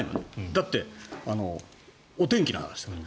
だって、お天気の話だから。